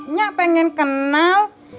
nyak pengen kenal